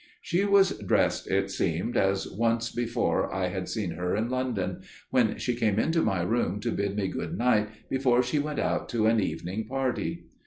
She was dressed, it seemed, as once before I had seen her in London, when she came into my room to bid me good night before she went out to an evening party.